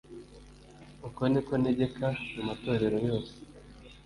uko ni ko ntegeka mu matorero yose